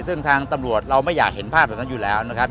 ซึ่งทางตำรวจเราไม่อยากเห็นภาพแบบนั้นอยู่แล้วนะครับ